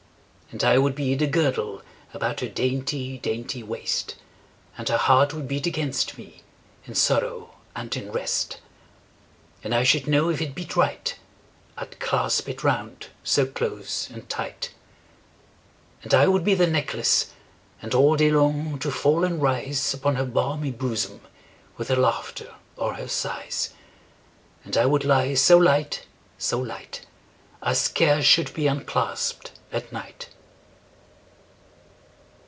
And I would be the girdle About her dainty dainty waist, And her heart would beat against me, In sorrow and in rest: 10 And I should know if it beat right, I'd clasp it round so close and tight. And I would be the necklace, And all day long to fall and rise Upon her balmy bosom, 15 With her laughter or her sighs: And I would lie so light, so light, I scarce should be unclasp'd at night.